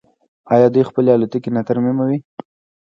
آیا دوی خپلې الوتکې نه ترمیموي؟